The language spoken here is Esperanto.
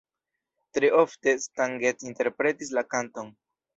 Tre ofte Stan Getz interpretis la kanton.